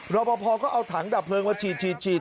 รอปภก็เอาถังดับเพลิงมาฉีด